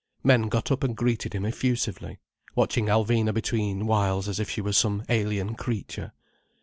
Men got up and greeted him effusively, watching Alvina between whiles as if she were some alien creature.